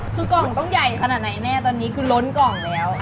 คือกล่องต้องใหญ่ขนาดไหนแม่ตอนนี้คือล้นกล่องแล้ว